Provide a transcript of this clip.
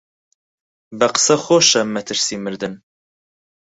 بە قسە خۆشە مەترسیی مردن